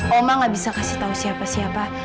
omah gak bisa kasih tau siapa siapa